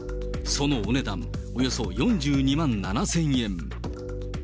そのお値段、およそ４２万７０００円。